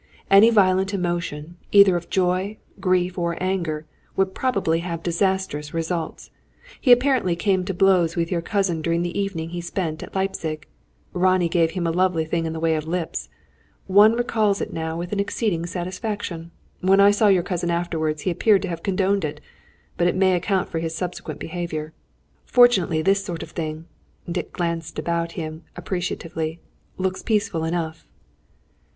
"Any violent emotion, either of joy, grief or anger, would probably have disastrous results. He apparently came to blows with your cousin during the evening he spent at Leipzig. Ronnie gave him a lovely thing in the way of lips. One recalls it now with exceeding satisfaction. When I saw your cousin afterwards he appeared to have condoned it. But it may account for his subsequent behaviour. Fortunately this sort of thing " Dick glanced about him appreciatively "looks peaceful enough."